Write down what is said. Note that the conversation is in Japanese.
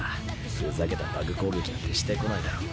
ふざけたバグ攻撃なんてしてこないだろ。